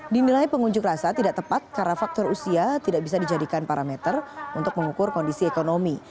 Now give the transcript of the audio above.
dinilai pengunjuk rasa tidak tepat karena faktor usia tidak bisa dijadikan parameter untuk mengukur kondisi ekonomi